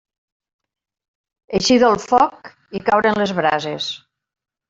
Eixir del foc i caure en les brases.